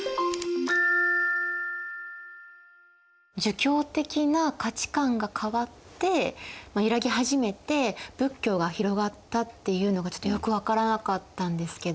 儒教的な価値観が変わって揺らぎ始めて仏教が広がったっていうのがちょっとよく分からなかったんですけど。